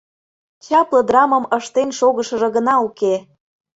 Чапле драмым ыштен шогышыжо гына уке.